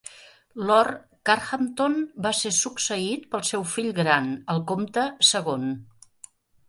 Lord Carhampton va ser succeït pel seu fill gran, el Comte segon.